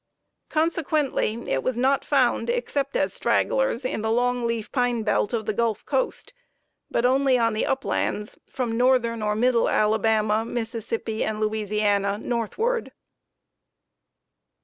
Consequently it was not found, except as stragglers, in the long leaf pine belt of the Gulf Coast, but only on the uplands from northern or middle Alabama, Mississippi, and Louisiana, northward.